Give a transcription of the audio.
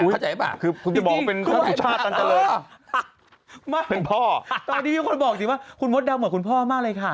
เข้าใจปะดูไหนมั้ยมากเป็นพ่อตอนนี้ผู้คนบอกจริงว่าคุณมดดำเหมือนคุณพ่อมากเลยค่ะ